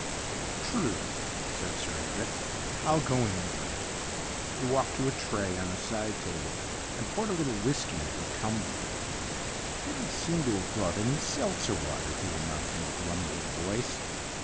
' True,' said Sir Edric, ' I'll go in the morning.' He walked to a tray on a side table and poured a little whisky into a tumbler. ' They don't seem to have brought any seltzer water,' he remarked in a grumbling voice.